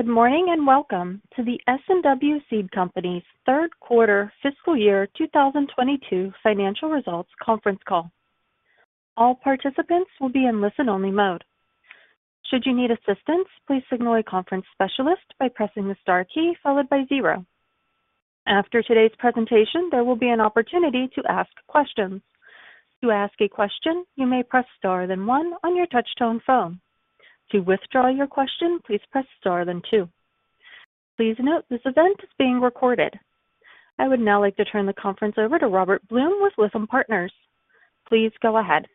Good morning, and welcome to the S&W Seed Company's third quarter fiscal year 2022 financial results conference call. All participants will be in listen-only mode. Should you need assistance, please signal a conference specialist by pressing the star key followed by zero. After today's presentation, there will be an opportunity to ask questions. To ask a question, you may press star then one on your touchtone phone. To withdraw your question, please press star then two. Please note this event is being recorded. I would now like to turn the conference over to Robert Blum with Lytham Partners. Please go ahead.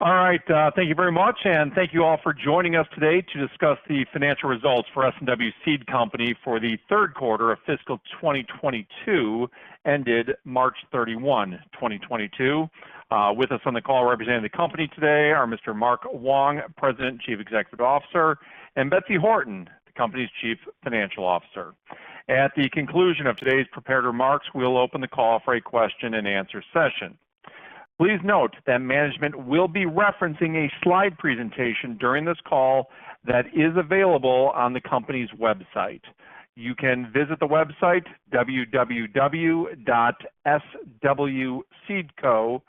All right. Thank you very much, and thank you all for joining us today to discuss the financial results for S&W Seed Company for the third quarter of fiscal 2022 ended March 31, 2022. With us on the call representing the company today are Mr. Mark Wong, President and Chief Executive Officer, and Betsy Horton, the company's Chief Financial Officer. At the conclusion of today's prepared remarks, we'll open the call for a question-and-answer session. Please note that management will be referencing a slide presentation during this call that is available on the company's website. You can visit the website www.swseedco.com.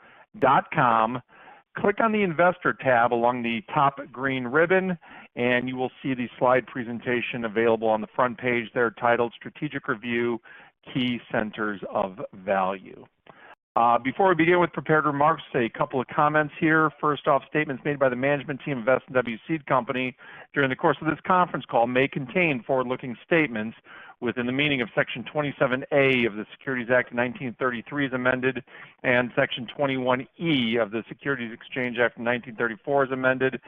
Click on the Investor tab along the top green ribbon, and you will see the slide presentation available on the front page there titled Strategic Review Key Centers of Value. Before we begin with prepared remarks, say a couple of comments here. First off, statements made by the management team of S&W Seed Company during the course of this conference call may contain forward-looking statements within the meaning of Section 27A of the Securities Act of 1933 as amended, and Section 21E of the Securities Exchange Act of 1934 as amended.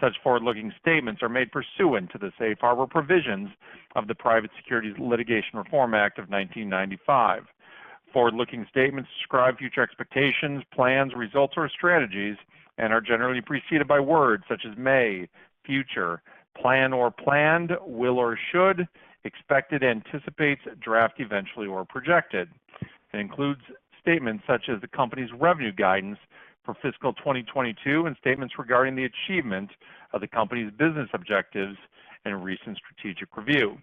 Such forward-looking statements are made pursuant to the safe harbor provisions of the Private Securities Litigation Reform Act of 1995. Forward-looking statements describe future expectations, plans, results, or strategies and are generally preceded by words such as may, future, plan or planned, will or should, expected, anticipates, intend, eventually, or projected. It includes statements such as the company's revenue guidance for fiscal 2022 and statements regarding the achievement of the company's business objectives in a recent strategic review.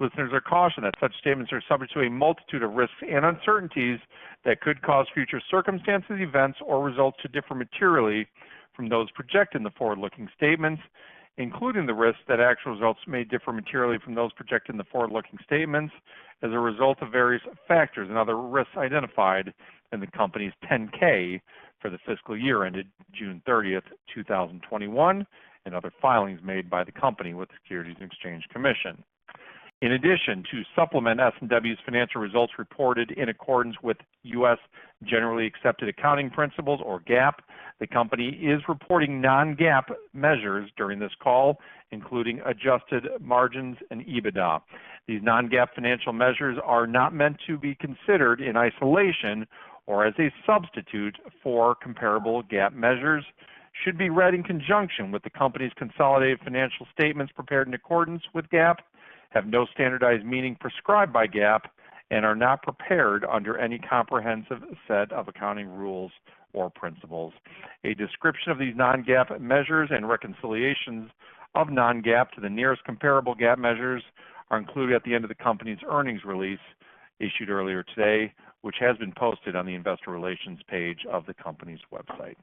Listeners are cautioned that such statements are subject to a multitude of risks and uncertainties that could cause future circumstances, events or results to differ materially from those projected in the forward-looking statements, including the risks that actual results may differ materially from those projected in the forward-looking statements as a result of various factors and other risks identified in the company's 10-K for the fiscal year ended June 30th, 2021, and other filings made by the company with the Securities and Exchange Commission. In addition, to supplement S&W's financial results reported in accordance with U.S. generally accepted accounting principles or GAAP, the company is reporting non-GAAP measures during this call, including adjusted margins and EBITDA. These non-GAAP financial measures are not meant to be considered in isolation or as a substitute for comparable GAAP measures, should be read in conjunction with the company's consolidated financial statements prepared in accordance with GAAP, have no standardized meaning prescribed by GAAP, and are not prepared under any comprehensive set of accounting rules or principles. A description of these non-GAAP measures and reconciliations of non-GAAP to the nearest comparable GAAP measures are included at the end of the company's earnings release issued earlier today, which has been posted on the investor relations page of the company's website.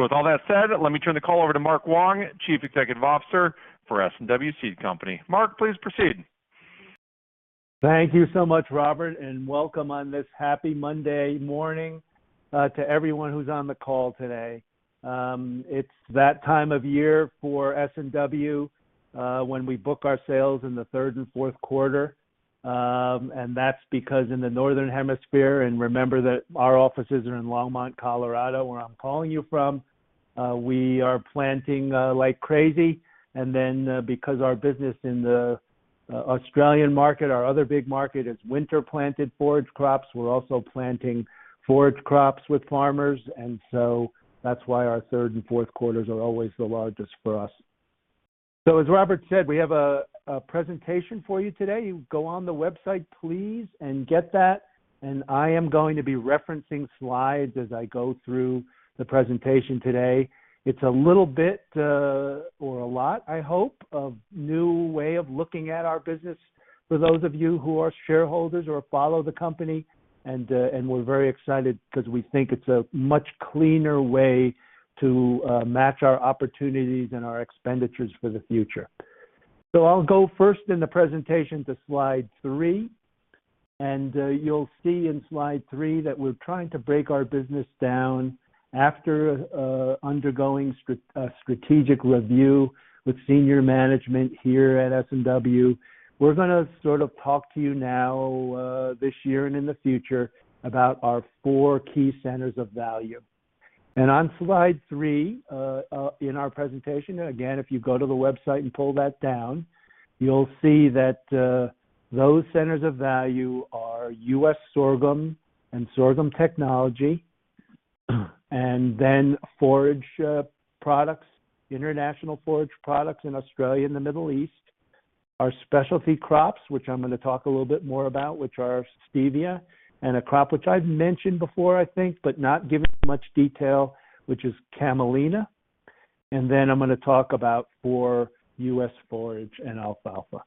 With all that said, let me turn the call over to Mark Wong, Chief Executive Officer for S&W Seed Company. Mark, please proceed. Thank you so much, Robert, and welcome on this happy Monday morning, to everyone who's on the call today. It's that time of year for S&W, when we book our sales in the third and fourth quarter. That's because in the Northern Hemisphere, and remember that our offices are in Longmont, Colorado, where I'm calling you from, we are planting like crazy. Because our business in the Australian market, our other big market, is winter-planted forage crops, we're also planting forage crops with farmers. That's why our third and fourth quarters are always the largest for us. As Robert said, we have a presentation for you today. Go on the website, please, and get that. I am going to be referencing slides as I go through the presentation today. It's a little bit, or a lot, I hope, a new way of looking at our business for those of you who are shareholders or follow the company. We're very excited because we think it's a much cleaner way to match our opportunities and our expenditures for the future. I'll go first in the presentation to slide three. You'll see in slide three that we're trying to break our business down after undergoing a strategic review with senior management here at S&W. We're gonna sort of talk to you now, this year and in the future about our four key centers of value. On slide three, in our presentation, again, if you go to the website and pull that down, you'll see that those centers of value are U.S. sorghum and sorghum technology, and then forage products, international forage products in Australia and the Middle East. Our specialty crops, which I'm gonna talk a little bit more about, which are Stevia and a crop which I've mentioned before, I think, but not given much detail, which is Camelina. Then I'm gonna talk about our U.S. forage and alfalfa.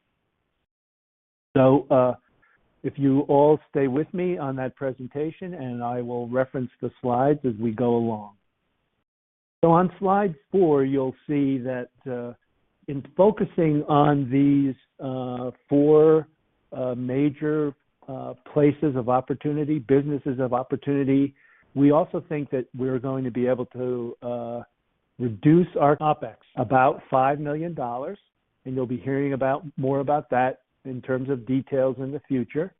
If you all stay with me on that presentation, and I will reference the slides as we go along. On slide four, you'll see that in focusing on these four major places of opportunity, businesses of opportunity, we also think that we're going to be able to reduce our OpEx about $5 million, and you'll be hearing more about that in terms of details in the future.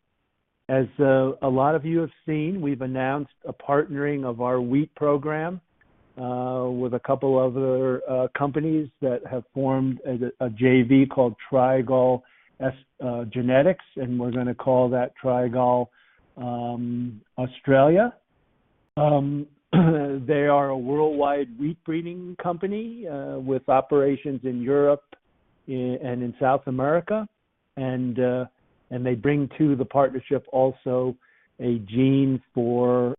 As a lot of you have seen, we've announced a partnering of our wheat program with a couple other companies that have formed as a JV called Trigall Genetics, and we're gonna call that Trigall Australia. They are a worldwide wheat breeding company with operations in Europe and in South America. They bring to the partnership also a gene for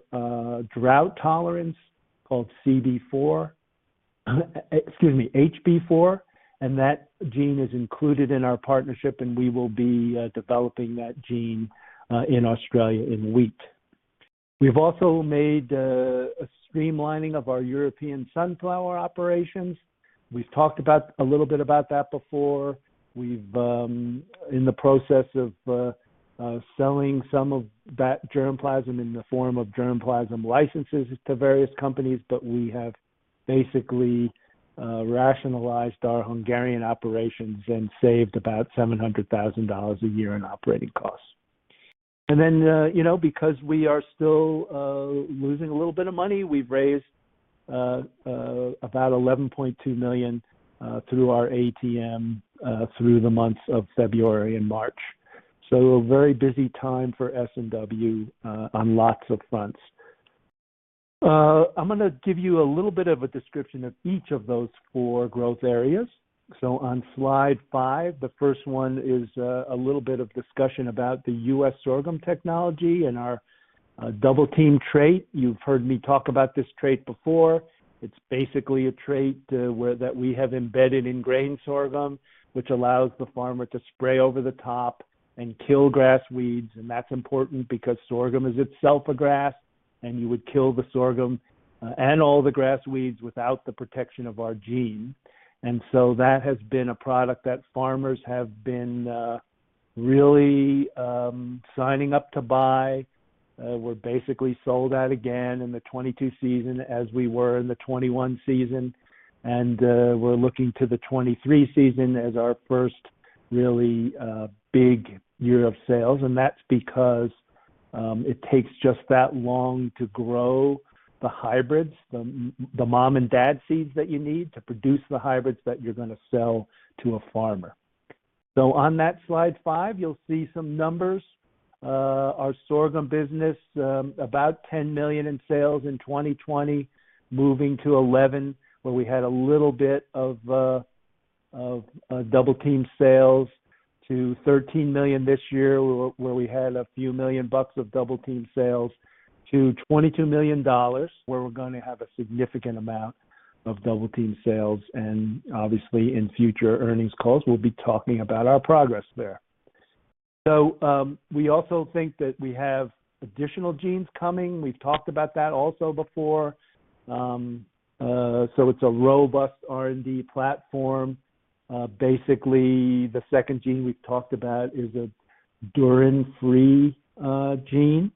drought tolerance called HB4. Excuse me, HB4, and that gene is included in our partnership, and we will be developing that gene in Australia in wheat. We've also made a streamlining of our European sunflower operations. We've talked about a little bit about that before. We're in the process of selling some of that germplasm in the form of germplasm licenses to various companies, but we have basically rationalized our Hungarian operations and saved about $700,000 a year in operating costs. You know, because we are still losing a little bit of money, we've raised about $11.2 million through our ATM through the months of February and March. A very busy time for S&W on lots of fronts. I'm gonna give you a little bit of a description of each of those four growth areas. On slide five, the first one is a little bit of discussion about the U.S. sorghum technology and our Double Team trait. You've heard me talk about this trait before. It's basically a trait that we have embedded in grain sorghum, which allows the farmer to spray over the top and kill grass weeds. That's important because sorghum is itself a grass, and you would kill the sorghum and all the grass weeds without the protection of our gene. That has been a product that farmers have been really signing up to buy. We're basically sold out again in the 2022 season as we were in the 2021 season. We're looking to the 2023 season as our first really big year of sales. That's because it takes just that long to grow the hybrids, the mom and dad seeds that you need to produce the hybrids that you're gonna sell to a farmer. On that slide five, you'll see some numbers. Our sorghum business, about $10 million in sales in 2020, moving to $11 million, where we had a little bit of Double Team sales to $13 million this year, where we had a few million bucks of Double Team sales to $22 million, where we're gonna have a significant amount of Double Team sales. Obviously, in future earnings calls, we'll be talking about our progress there. We also think that we have additional genes coming. We've talked about that also before. It's a robust R&D platform. Basically, the second gene we've talked about is a dhurrin-free gene.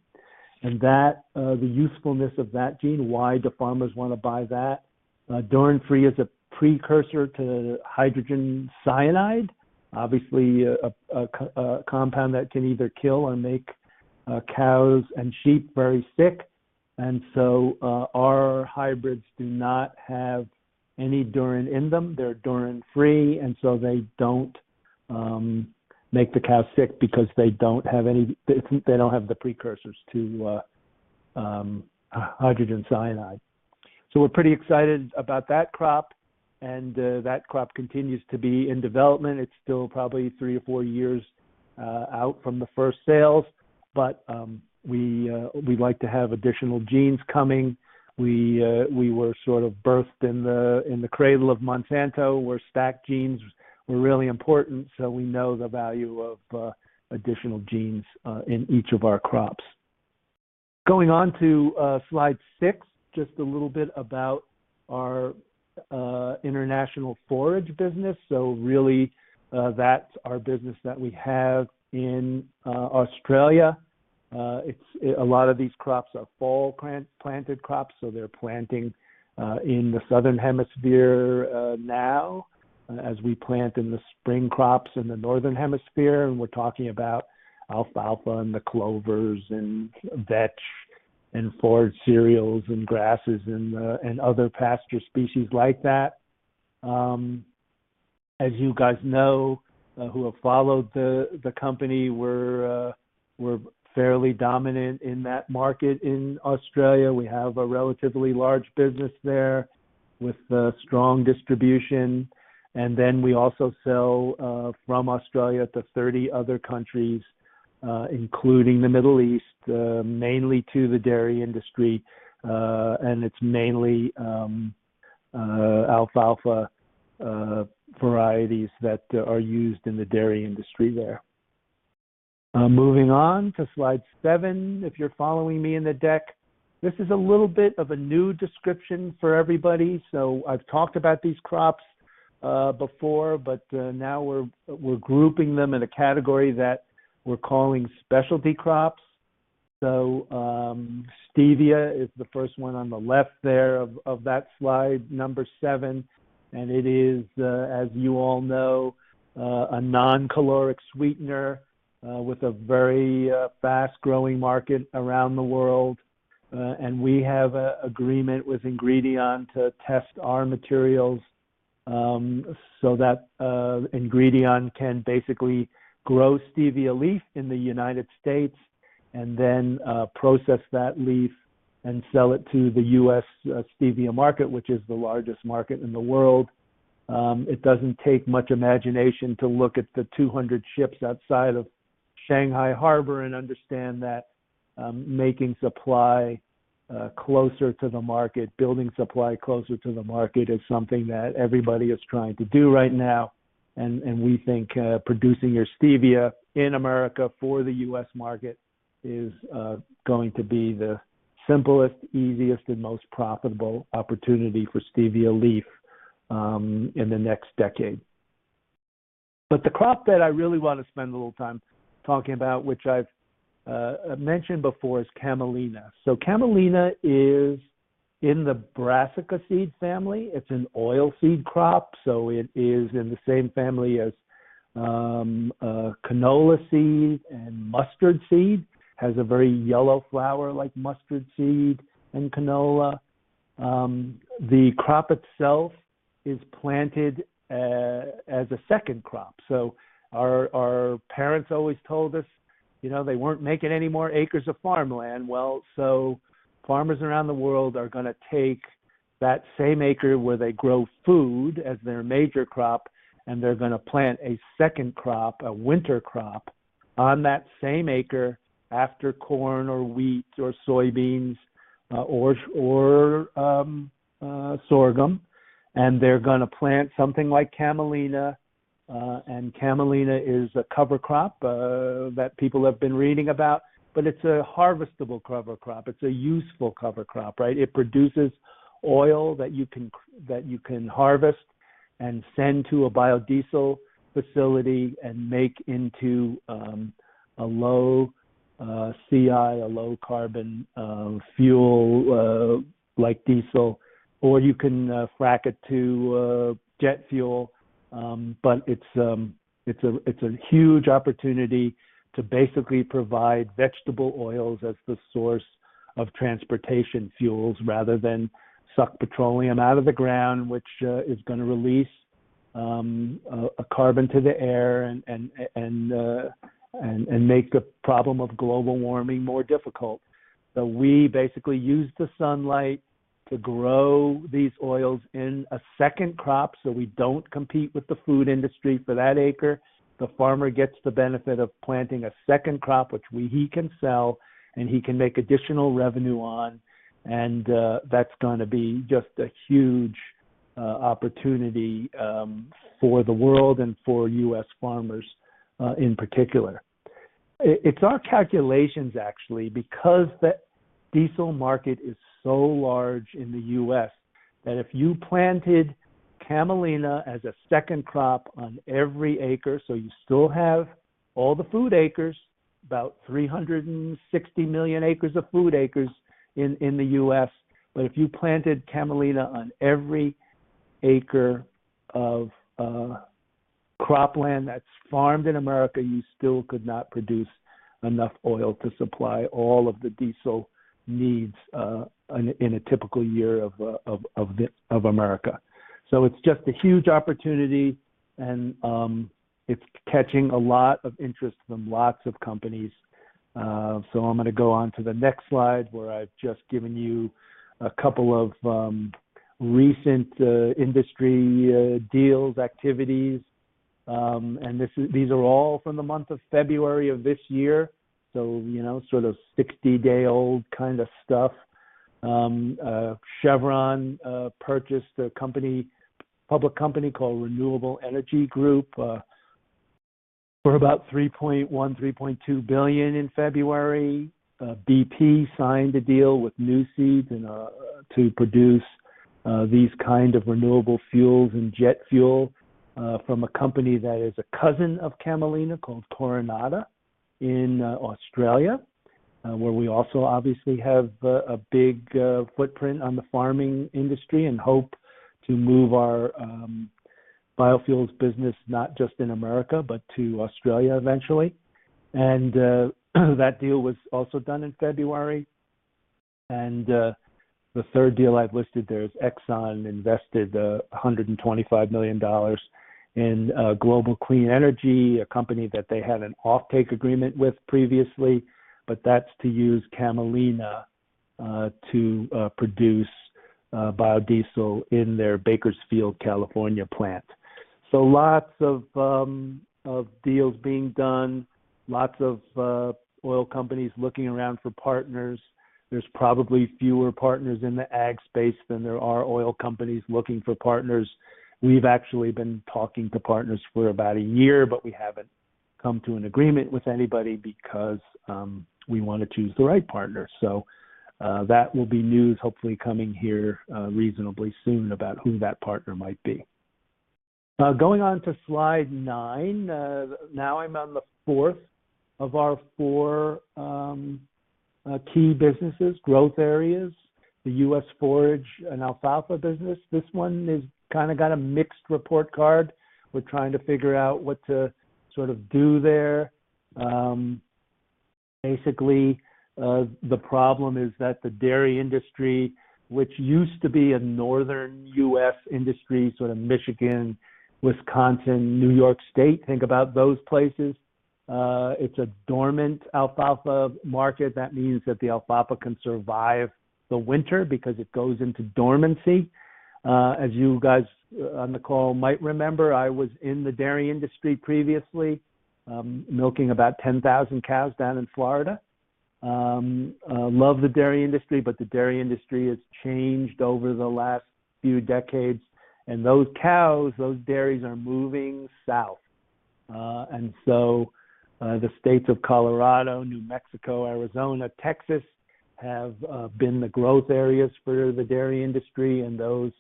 That, the usefulness of that gene, why the farmers wanna buy that, dhurrin is a precursor to hydrogen cyanide. Obviously, a compound that can either kill or make cows and sheep very sick. Our hybrids do not have any dhurrin in them. They're dhurrin-free, and so they don't make the cows sick because they don't have any. They don't have the precursors to hydrogen cyanide. We're pretty excited about that crop. That crop continues to be in development. It's still probably three or four years out from the first sales, but we like to have additional genes coming. We were sort of birthed in the cradle of Monsanto, where stacked genes were really important, so we know the value of additional genes in each of our crops. Going on to slide six, just a little bit about our international forage business. Really, that's our business that we have in Australia. It's a lot of these crops are fall-planted crops, so they're planting in the Southern Hemisphere now as we plant spring crops in the Northern Hemisphere, and we're talking about alfalfa and the clovers and vetch and forage cereals and grasses and other pasture species like that. As you guys know who have followed the company, we're fairly dominant in that market in Australia. We have a relatively large business there. With a strong distribution. Then we also sell from Australia to 30 other countries, including the Middle East, mainly to the dairy industry. It's mainly alfalfa varieties that are used in the dairy industry there. Moving on to slide seven, if you're following me in the deck, this is a little bit of a new description for everybody. I've talked about these crops before, but now we're grouping them in a category that we're calling specialty crops. Stevia is the first one on the left there of that slide number seven. It is, as you all know, a non-caloric sweetener with a very fast-growing market around the world. We have an agreement with Ingredion to test our materials, so that Ingredion can basically grow Stevia leaf in the United States and then process that leaf and sell it to the U.S. Stevia market, which is the largest market in the world. It doesn't take much imagination to look at the 200 ships outside of Shanghai Harbor and understand that making supply closer to the market, building supply closer to the market is something that everybody is trying to do right now. We think producing our Stevia in America for the U.S. market is going to be the simplest, easiest, and most profitable opportunity for Stevia leaf in the next decade. The crop that I really want to spend a little time talking about, which I've mentioned before, is Camelina. Camelina is in the Brassica seed family. It's an oilseed crop, so it is in the same family as canola seed and mustard seed. Has a very yellow flower like mustard seed and canola. The crop itself is planted as a second crop. Our parents always told us, you know, they weren't making any more acres of farmland. Well, farmers around the world are gonna take that same acre where they grow food as their major crop, and they're gonna plant a second crop, a winter crop, on that same acre after corn or wheat or soybeans or sorghum. They're gonna plant something like camelina. Camelina is a cover crop that people have been reading about, but it's a harvestable cover crop. It's a useful cover crop, right? It produces oil that you can harvest and send to a biodiesel facility and make into a low CI, a low carbon fuel like diesel, or you can crack it to jet fuel. It's a huge opportunity to basically provide vegetable oils as the source of transportation fuels rather than suck petroleum out of the ground, which is gonna release carbon to the air and make the problem of global warming more difficult. We basically use the sunlight to grow these oils in a second crop, so we don't compete with the food industry for that acre. The farmer gets the benefit of planting a second crop, which he can sell, and he can make additional revenue on. That's gonna be just a huge opportunity for the world and for U.S. farmers in particular. It's our calculations actually because the diesel market is so large in the U.S., that if you planted Camelina as a second crop on every acre, so you still have all the food acres, about 360 million acres of food acres in the U.S. If you planted Camelina on every acre of cropland that's farmed in America, you still could not produce enough oil to supply all of the diesel needs in a typical year of America. It's just a huge opportunity, and it's catching a lot of interest from lots of companies. I'm gonna go on to the next slide, where I've just given you a couple of recent industry deals, activities. This is all from the month of February of this year, so you know, sort of 60-day-old kind of stuff. Chevron purchased a public company called Renewable Energy Group, Inc. for about $3.1 billion-$3.2 billion in February. BP signed a deal with Nuseed to produce these kind of renewable fuels and jet fuel from a company that is a cousin of Camelina called carinata in Australia, where we also obviously have a big footprint in the farming industry and hope to move our biofuels business not just in America, but to Australia eventually. That deal was also done in February. The third deal I've listed there is Exxon invested $125 million in Global Clean Energy, a company that they had an offtake agreement with previously, but that's to use camelina to produce biodiesel in their Bakersfield, California plant. Lots of deals being done, lots of oil companies looking around for partners. There's probably fewer partners in the ag space than there are oil companies looking for partners. We've actually been talking to partners for about a year, but we haven't come to an agreement with anybody because we wanna choose the right partner. That will be news hopefully coming here reasonably soon about who that partner might be. Going on to slide nine. Now I'm on the fourth of our four key businesses, growth areas, the U.S. forage and alfalfa business. This one is kinda got a mixed report card. We're trying to figure out what to sort of do there. Basically, the problem is that the dairy industry, which used to be a northern U.S. industry, sort of Michigan, Wisconsin, New York State, think about those places, it's a dormant alfalfa market. That means that the alfalfa can survive the winter because it goes into dormancy. As you guys on the call might remember, I was in the dairy industry previously, milking about 10,000 cows down in Florida. Love the dairy industry, but the dairy industry has changed over the last few decades. Those cows, those dairies are moving south. The states of Colorado, New Mexico, Arizona, Texas have been the growth areas for the dairy industry. Those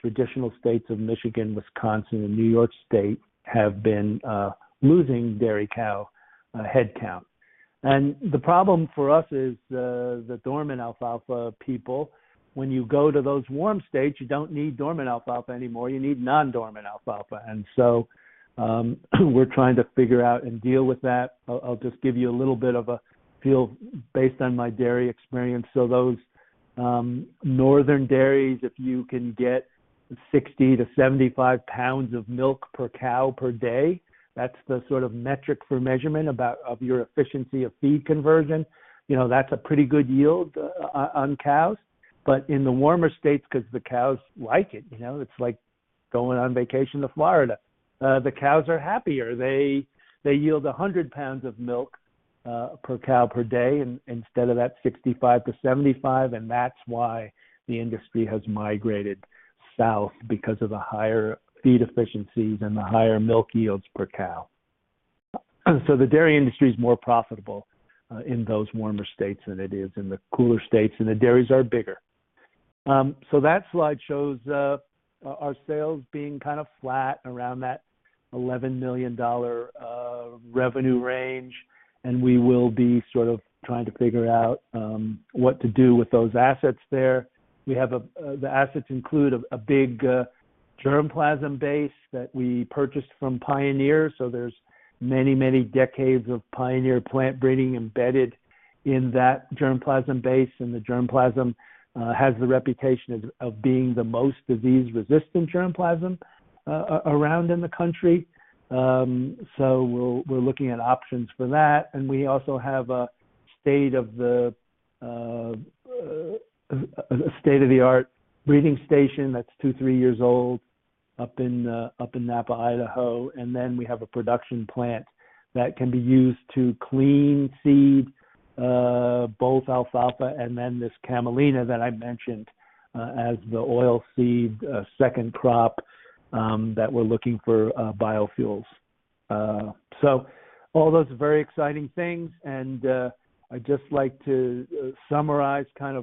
traditional states of Michigan, Wisconsin, and New York State have been losing dairy cow headcount. The problem for us is the dormant alfalfa people. When you go to those warm states, you don't need dormant alfalfa anymore. You need non-dormant alfalfa. We're trying to figure out and deal with that. I'll just give you a little bit of a feel based on my dairy experience. Those northern dairies, if you can get 60-75 pounds of milk per cow per day, that's the sort of metric for measurement of your efficiency of feed conversion. You know, that's a pretty good yield on cows. In the warmer states, 'cause the cows like it, you know, it's like going on vacation to Florida, the cows are happier. They yield 100 pounds of milk per cow per day instead of that 65-75 pounds, and that's why the industry has migrated south because of the higher feed efficiencies and the higher milk yields per cow. The dairy industry is more profitable in those warmer states than it is in the cooler states, and the dairies are bigger. That slide shows our sales being kind of flat around that $11 million revenue range, and we will be sort of trying to figure out what to do with those assets there. We have. The assets include a big germplasm base that we purchased from Pioneer. There's many, many decades of Pioneer plant breeding embedded in that germplasm base. The germplasm has the reputation of being the most disease-resistant germplasm around in the country. We're looking at options for that. We also have a state-of-the-art breeding station that's 2-3 years old up in Nampa, Idaho. Then we have a production plant that can be used to clean seed, both alfalfa and then this Camelina that I mentioned, as the oil seed second crop, that we're looking for, biofuels. All those very exciting things. I'd just like to summarize kind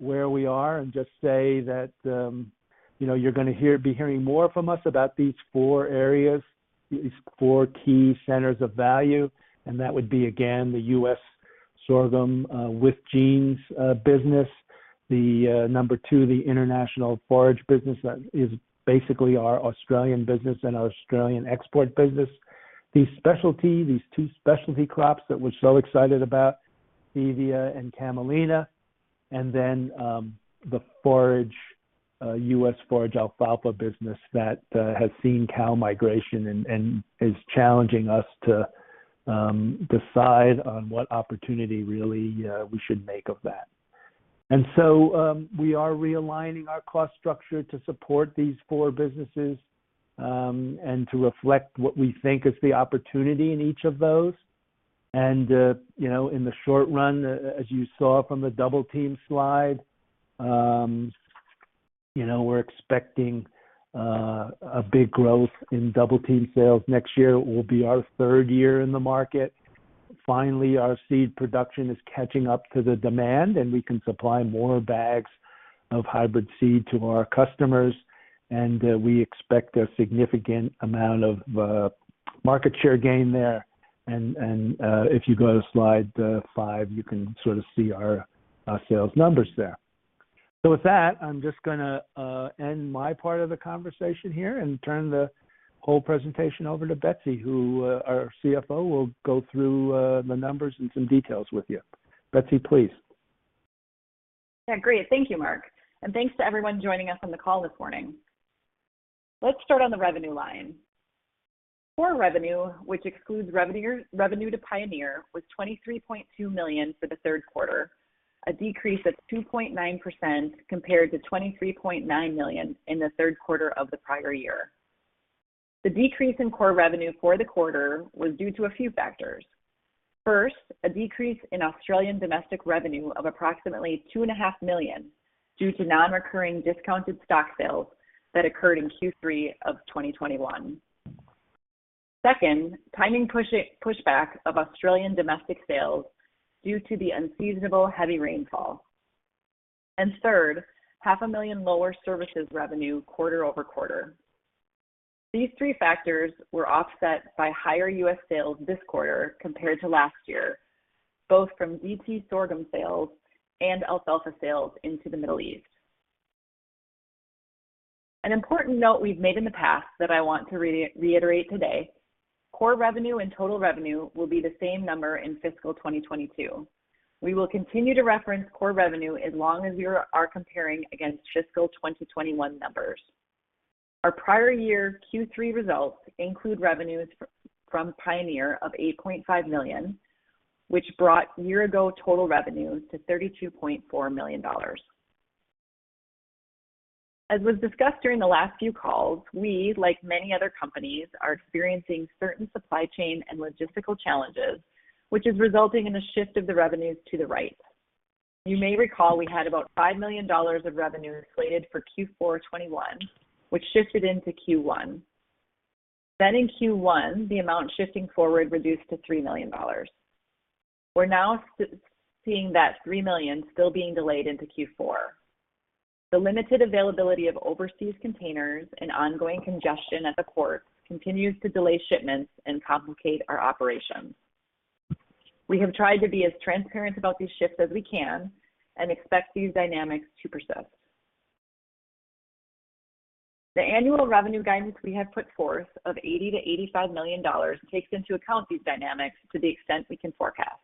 of where we are and just say that, you know, you're gonna be hearing more from us about these four areas, these four key centers of value. That would be, again, the U.S. sorghum with genes business. The number two, the international forage business. That is basically our Australian business and our Australian export business. These two specialty crops that we're so excited about, Stevia and Camelina. The U.S. forage alfalfa business that has seen cow migration and is challenging us to decide on what opportunity really we should make of that. We are realigning our cost structure to support these four businesses and to reflect what we think is the opportunity in each of those. You know, in the short run, as you saw from the Double Team slide, you know, we're expecting a big growth in Double Team sales next year. It will be our third year in the market. Finally, our seed production is catching up to the demand, and we can supply more bags of hybrid seed to our customers, and we expect a significant amount of market share gain there. If you go to slide five, you can sort of see our sales numbers there. With that, I'm just gonna end my part of the conversation here and turn the whole presentation over to Betsy, our CFO, will go through the numbers and some details with you. Betsy, please. Yeah, great. Thank you, Mark. Thanks to everyone joining us on the call this morning. Let's start on the revenue line. Core revenue, which excludes revenue to Pioneer, was $23.2 million for the third quarter, a decrease of 2.9% compared to $23.9 million in the third quarter of the prior year. The decrease in core revenue for the quarter was due to a few factors. First, a decrease in Australian domestic revenue of approximately two and a half million due to non-recurring discounted stock sales that occurred in Q3 of 2021. Second, timing pushback of Australian domestic sales due to the unseasonable heavy rainfall. Third, half a million lower services revenue quarter-over-quarter. These three factors were offset by higher U.S. sales this quarter compared to last year, both from ET sorghum sales and alfalfa sales into the Middle East. An important note we've made in the past that I want to reiterate today, core revenue and total revenue will be the same number in fiscal 2022. We will continue to reference core revenue as long as we are comparing against fiscal 2021 numbers. Our prior year Q3 results include revenues from Pioneer of $8.5 million, which brought year-ago total revenues to $32.4 million. As was discussed during the last few calls, we, like many other companies, are experiencing certain supply chain and logistical challenges, which is resulting in a shift of the revenues to the right. You may recall we had about $5 million of revenue slated for Q4 2021, which shifted into Q1. In Q1, the amount shifting forward reduced to $3 million. We're now seeing that $3 million still being delayed into Q4. The limited availability of overseas containers and ongoing congestion at the ports continues to delay shipments and complicate our operations. We have tried to be as transparent about these shifts as we can and expect these dynamics to persist. The annual revenue guidance we have put forth of $80 million-$85 million takes into account these dynamics to the extent we can forecast.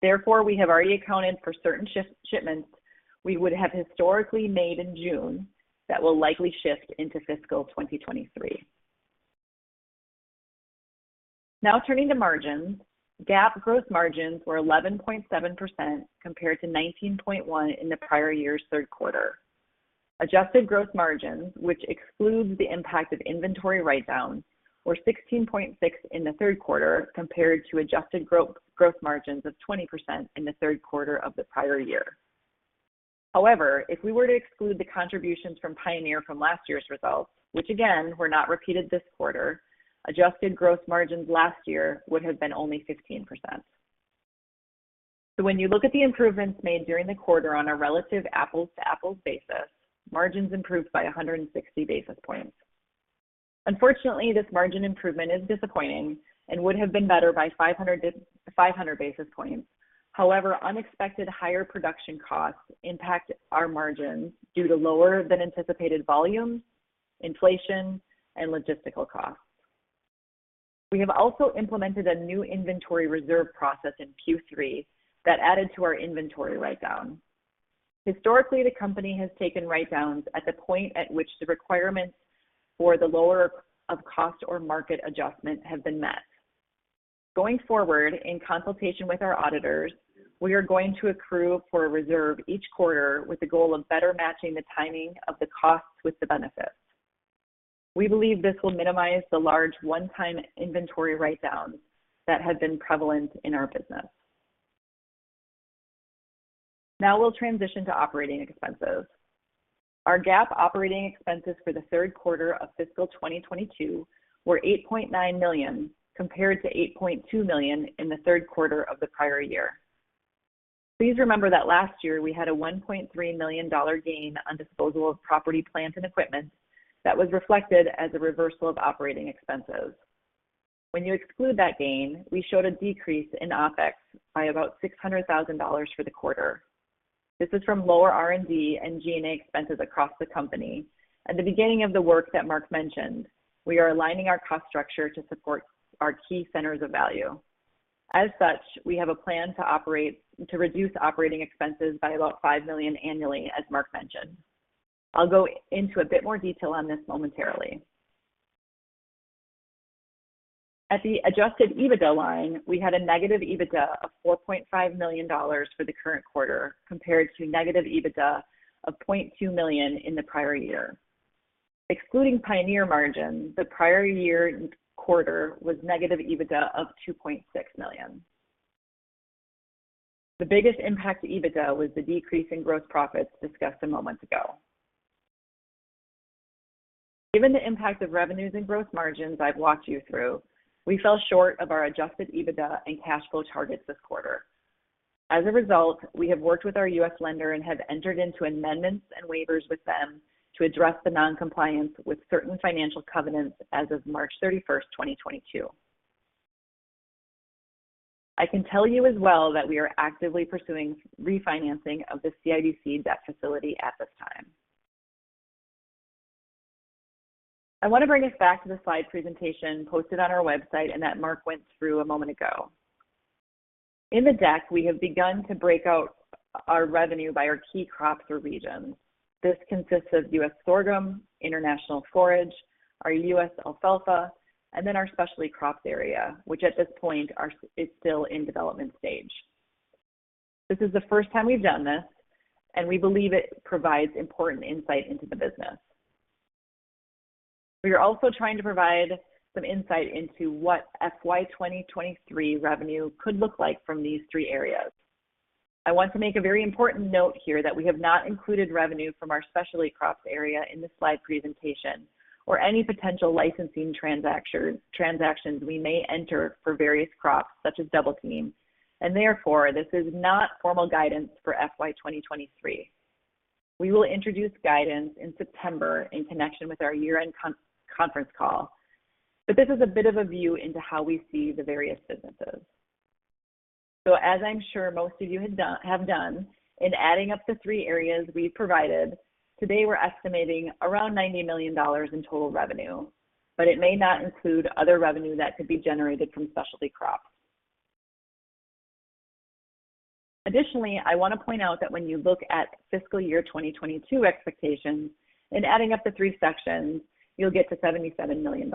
Therefore, we have already accounted for certain shipments we would have historically made in June that will likely shift into fiscal 2023. Now turning to margins. GAAP gross margins were 11.7% compared to 19.1% in the prior year's third quarter. Adjusted gross margins, which excludes the impact of inventory write-downs, were 16.6% in the third quarter compared to adjusted gross margins of 20% in the third quarter of the prior year. However, if we were to exclude the contributions from Pioneer from last year's results, which again were not repeated this quarter, adjusted gross margins last year would have been only 15%. When you look at the improvements made during the quarter on a relative apples-to-apples basis, margins improved by 160 basis points. Unfortunately, this margin improvement is disappointing and would have been better by 500-500 basis points. Unexpected higher production costs impact our margins due to lower than anticipated volumes, inflation, and logistical costs. We have also implemented a new inventory reserve process in Q3 that added to our inventory write-down. Historically, the company has taken write-downs at the point at which the requirements for the lower of cost or market adjustment have been met. Going forward, in consultation with our auditors, we are going to accrue for a reserve each quarter with the goal of better matching the timing of the costs with the benefits. We believe this will minimize the large one-time inventory write-downs that have been prevalent in our business. Now we'll transition to operating expenses. Our GAAP operating expenses for the third quarter of fiscal 2022 were $8.9 million, compared to $8.2 million in the third quarter of the prior year. Please remember that last year we had a $1.3 million gain on disposal of property, plant, and equipment that was reflected as a reversal of operating expenses. When you exclude that gain, we showed a decrease in OpEx by about $600,000 for the quarter. This is from lower R&D and G&A expenses across the company and the beginning of the work that Mark mentioned. We are aligning our cost structure to support our key centers of value. As such, we have a plan to reduce operating expenses by about $5 million annually, as Mark mentioned. I'll go into a bit more detail on this momentarily. At the Adjusted EBITDA line, we had a negative EBITDA of $4.5 million for the current quarter, compared to negative EBITDA of $0.2 million in the prior year. Excluding Pioneer margins, the prior year quarter was negative EBITDA of $2.6 million. The biggest impact to EBITDA was the decrease in gross profits discussed a moment ago. Given the impact of revenues and gross margins I've walked you through, we fell short of our Adjusted EBITDA and cash flow targets this quarter. As a result, we have worked with our U.S. lender and have entered into amendments and waivers with them to address the non-compliance with certain financial covenants as of March 31st, 2022. I can tell you as well that we are actively pursuing refinancing of the CIBC debt facility at this time. I want to bring us back to the slide presentation posted on our website and that Mark went through a moment ago. In the deck, we have begun to break out our revenue by our key crops or regions. This consists of U.S. sorghum, international forage, our U.S. alfalfa, and then our specialty crops area, which at this point is still in development stage. This is the first time we've done this, and we believe it provides important insight into the business. We are also trying to provide some insight into what FY 2023 revenue could look like from these three areas. I want to make a very important note here that we have not included revenue from our specialty crops area in this slide presentation or any potential licensing transactions we may enter for various crops such as Double Team, and therefore, this is not formal guidance for FY 2023. We will introduce guidance in September in connection with our year-end conference call, but this is a bit of a view into how we see the various businesses. As I'm sure most of you have done in adding up the three areas we've provided, today we're estimating around $90 million in total revenue, but it may not include other revenue that could be generated from specialty crops. Additionally, I want to point out that when you look at fiscal year 2022 expectations, in adding up the three sections, you'll get to $77 million.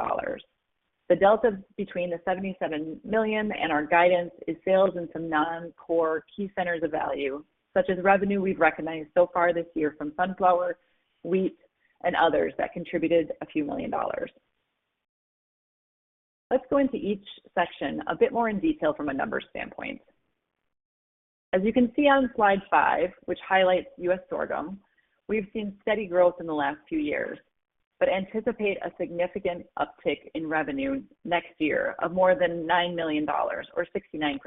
The delta between the $77 million and our guidance is sales in some non-core key centers of value, such as revenue we've recognized so far this year from sunflower, wheat, and others that contributed a few million dollars. Let's go into each section a bit more in detail from a numbers standpoint. As you can see on slide five, which highlights U.S. sorghum, we've seen steady growth in the last few years, but anticipate a significant uptick in revenue next year of more than $9 million or 69%.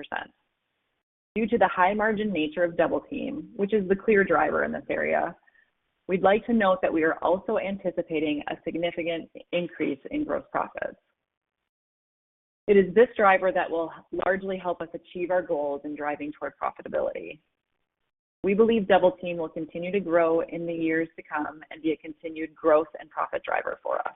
Due to the high-margin nature of Double Team, which is the clear driver in this area, we'd like to note that we are also anticipating a significant increase in gross profits. It is this driver that will largely help us achieve our goals in driving toward profitability. We believe Double Team will continue to grow in the years to come and be a continued growth and profit driver for us.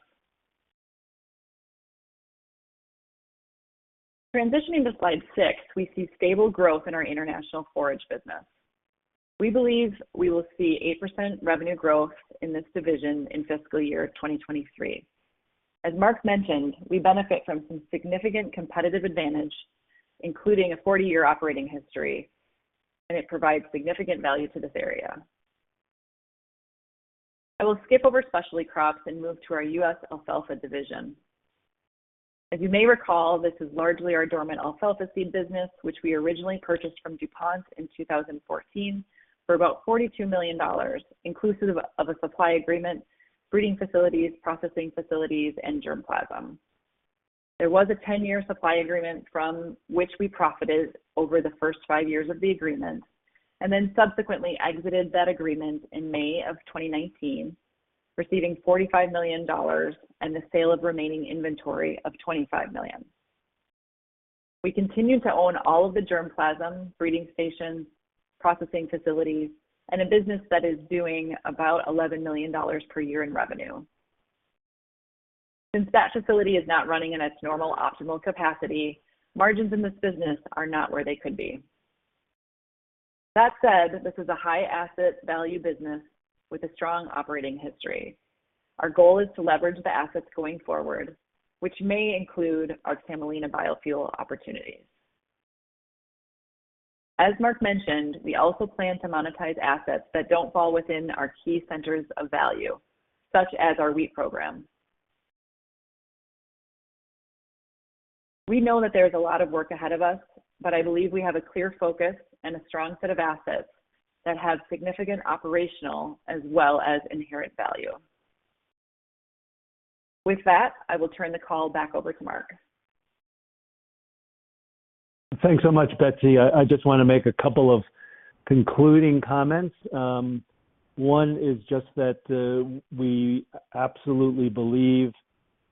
Transitioning to slide 6, we see stable growth in our international forage business. We believe we will see 8% revenue growth in this division in fiscal year 2023. As Mark mentioned, we benefit from some significant competitive advantage, including a 40-year operating history, and it provides significant value to this area. I will skip over specialty crops and move to our U.S. alfalfa division. As you may recall, this is largely our dormant alfalfa seed business, which we originally purchased from DuPont in 2014 for about $42 million, inclusive of a supply agreement, breeding facilities, processing facilities, and germplasm. There was a 10-year supply agreement from which we profited over the first five years of the agreement, and then subsequently exited that agreement in May of 2019, receiving $45 million and the sale of remaining inventory of $25 million. We continue to own all of the germplasm, breeding stations, processing facilities, and a business that is doing about $11 million per year in revenue. Since that facility is not running in its normal optimal capacity, margins in this business are not where they could be. That said, this is a high asset value business with a strong operating history. Our goal is to leverage the assets going forward, which may include our Camelina biofuel opportunities. As Mark mentioned, we also plan to monetize assets that don't fall within our key centers of value, such as our wheat program. We know that there's a lot of work ahead of us, but I believe we have a clear focus and a strong set of assets that have significant operational as well as inherent value. With that, I will turn the call back over to Mark. Thanks so much, Betsy. I just want to make a couple of concluding comments. One is just that we absolutely believe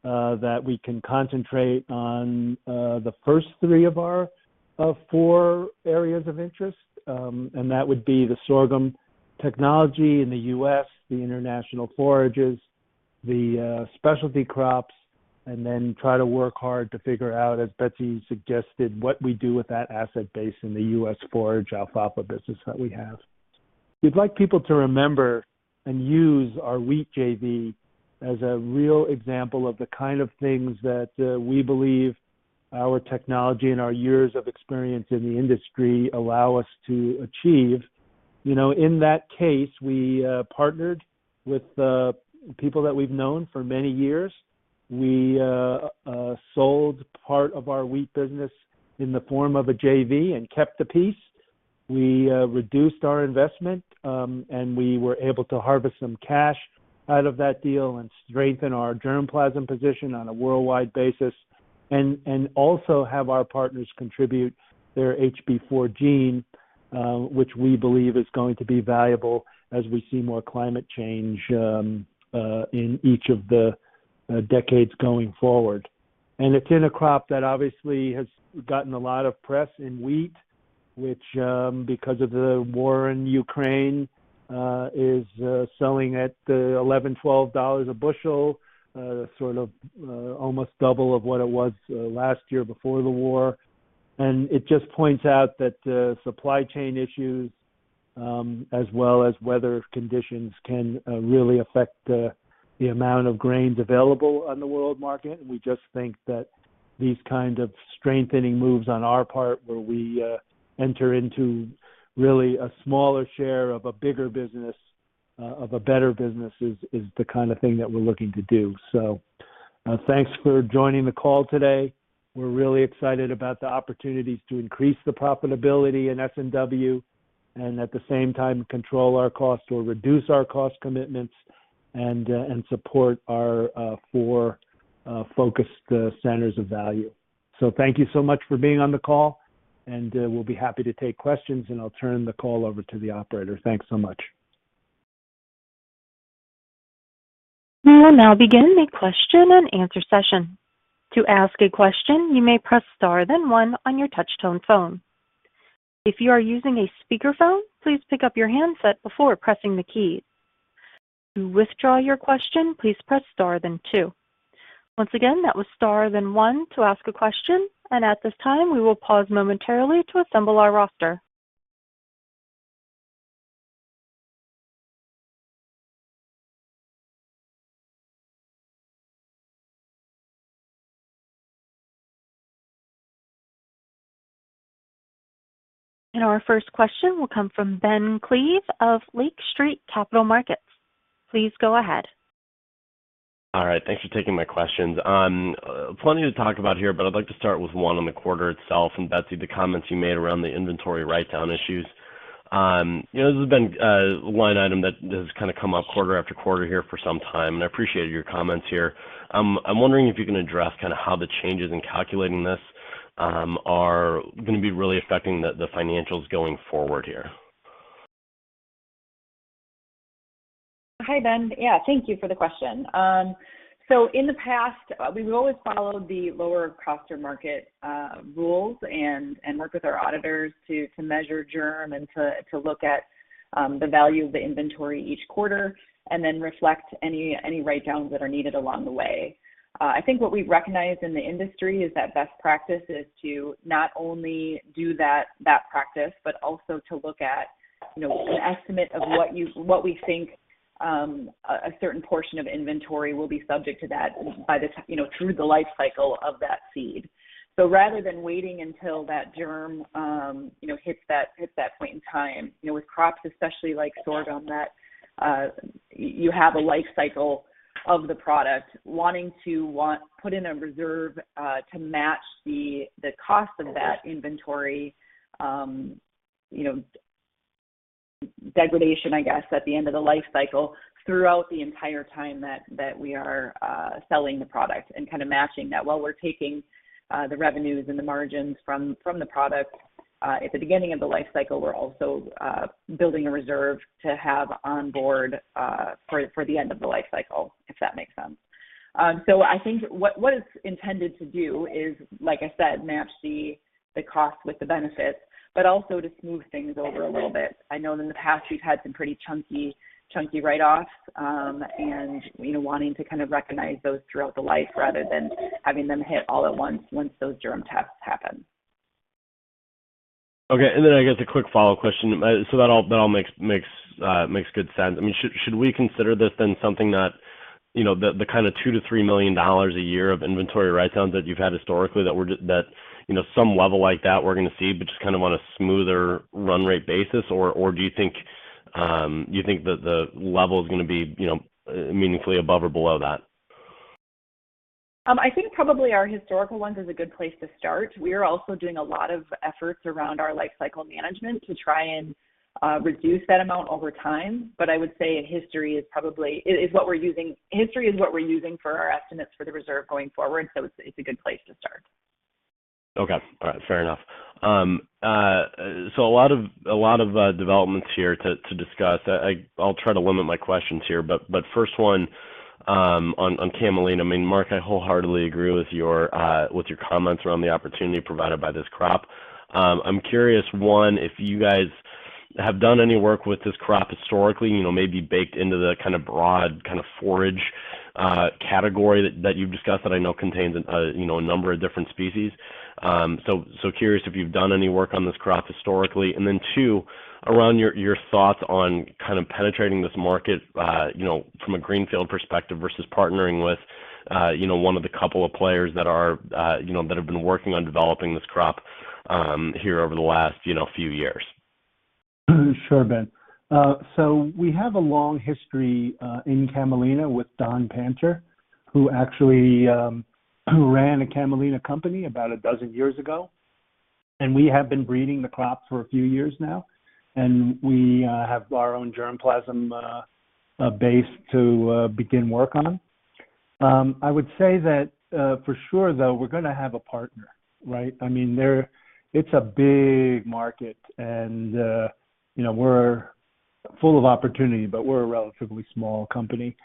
that we can concentrate on the first three of our four areas of interest, and that would be the sorghum technology in the U.S., the international forages, the specialty crops, and then try to work hard to figure out, as Betsy suggested, what we do with that asset base in the U.S. forage alfalfa business that we have. We'd like people to remember and use our wheat JV as a real example of the kind of things that we believe our technology and our years of experience in the industry allow us to achieve. You know, in that case, we partnered with people that we've known for many years. We sold part of our wheat business in the form of a JV and kept the peace. We reduced our investment, and we were able to harvest some cash out of that deal and strengthen our germplasm position on a worldwide basis and also have our partners contribute their HB4 gene, which we believe is going to be valuable as we see more climate change in each of the decades going forward. It's in a crop that obviously has gotten a lot of press in wheat, which, because of the war in Ukraine, is selling at $11-$12 a bushel, sort of almost double of what it was last year before the war. It just points out that supply chain issues, as well as weather conditions can really affect the amount of grains available on the world market. We just think that these kinds of strengthening moves on our part, where we enter into really a smaller share of a bigger business of a better business is the kind of thing that we're looking to do. Thanks for joining the call today. We're really excited about the opportunities to increase the profitability in S&W and at the same time control our costs or reduce our cost commitments and support our four focused centers of value. Thank you so much for being on the call, and we'll be happy to take questions, and I'll turn the call over to the operator. Thanks so much. We will now begin the question and answer session. To ask a question, you may press star, then one on your touch tone phone. If you are using a speaker phone, please pick up your handset before pressing the key. To withdraw your question, please press star then two. Once again, that was star, then one to ask a question. At this time, we will pause momentarily to assemble our roster. Our first question will come from Ben Klieve of Lake Street Capital Markets. Please go ahead. All right. Thanks for taking my questions. Plenty to talk about here, but I'd like to start with one on the quarter itself. Betsy, the comments you made around the inventory write-down issues. You know this has been a line item that has kind of come up quarter after quarter here for some time, and I appreciate your comments here. I'm wondering if you can address kind of how the changes in calculating this are going to be really affecting the financials going forward here. Hi, Ben. Yeah, thank you for the question. In the past we've always followed the lower of cost or market rules and work with our auditors to measure germ and to look at the value of the inventory each quarter and then reflect any write-downs that are needed along the way. I think what we recognized in the industry is that best practice is to not only do that practice, but also to look at, you know, an estimate of what we think a certain portion of inventory will be subject to that by the time you know through the life cycle of that seed. Rather than waiting until that germ, you know, hits that point in time, you know, with crops especially like sorghum that, you have a life cycle of the product wanting to put in a reserve to match the cost of that inventory, you know, degradation, I guess, at the end of the life cycle, throughout the entire time that we are selling the product and kind of matching that. While we're taking the revenues and the margins from the product at the beginning of the life cycle, we're also building a reserve to have on board for the end of the life cycle, if that makes sense. I think what it's intended to do is, like I said, match the cost with the benefits, but also to smooth things over a little bit. I know in the past, we've had some pretty chunky write-offs, and you know, wanting to kind of recognize those throughout the life rather than having them hit all at once those germ tests happen. Okay. I guess a quick follow-up question. So that all makes good sense. I mean, should we consider this then something that, you know, the kind of $2 million-$3 million a year of inventory write-downs that you've had historically that we're just, you know, some level like that we're gonna see, but just kind of on a smoother run rate basis? Or do you think that the level is gonna be, you know, meaningfully above or below that? I think probably our historical ones is a good place to start. We are also doing a lot of efforts around our lifecycle management to try and reduce that amount over time. I would say in history is probably what we're using. History is what we're using for our estimates for the reserve going forward. It's a good place to start. Okay. All right. Fair enough. A lot of developments here to discuss. I'll try to limit my questions here, but first one on Camelina. I mean, Mark, I wholeheartedly agree with your comments around the opportunity provided by this crop. I'm curious, one, if you guys have done any work with this crop historically, you know, maybe baked into the kind of broad kind of forage category that you've discussed that I know contains, you know, a number of different species. Curious if you've done any work on this crop historically. Two, around your thoughts on kind of penetrating this market, you know, from a greenfield perspective versus partnering with, you know, one of the couple of players that are, you know, that have been working on developing this crop, here over the last, you know, few years. Sure, Ben. So we have a long history in Camelina with Don Panter, who actually ran a Camelina company about a dozen years ago. We have been breeding the crop for a few years now, and we have our own germplasm base to begin work on. I would say that for sure, though, we're gonna have a partner, right? I mean, it's a big market and you know, we're full of opportunity, but we're a relatively small company.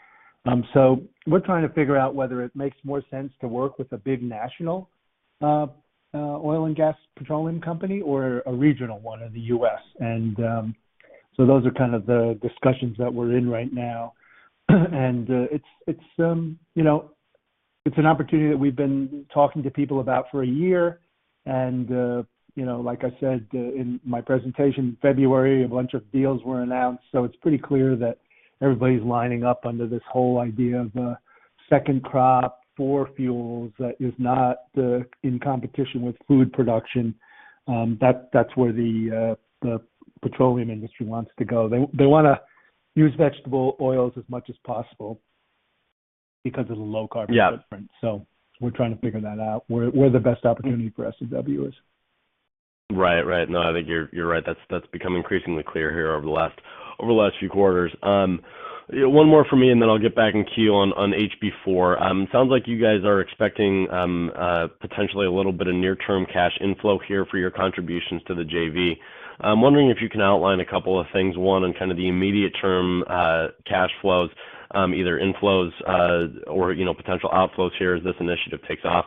We're trying to figure out whether it makes more sense to work with a big national oil and gas petroleum company or a regional one in the U.S. Those are kind of the discussions that we're in right now. It's an opportunity that we've been talking to people about for a year. You know, like I said, in my presentation in February, a bunch of deals were announced. It's pretty clear that everybody's lining up under this whole idea of second crop, four fuels that is not in competition with food production. That's where the petroleum industry wants to go. They wanna use vegetable oils as much as possible because of the low carbon footprint. Yeah. We're trying to figure that out, where the best opportunity for S&W is. Right. No, I think you're right. That's become increasingly clear here over the last few quarters. One more for me, and then I'll get back in queue on HB4. Sounds like you guys are expecting potentially a little bit of near-term cash inflow here for your contributions to the JV. I'm wondering if you can outline a couple of things. One, on kind of the immediate term, cash flows, either inflows, or you know, potential outflows here as this initiative takes off.